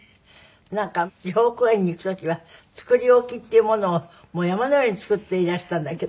なんか地方公演に行く時は作り置きっていうものをもう山のように作っていらしたんだけど。